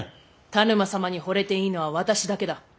田沼様にほれていいのは私だけだ。